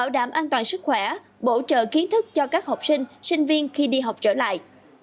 an toàn sức khỏe bổ trợ kiến thức cho các học sinh sinh viên khi đi học trở lại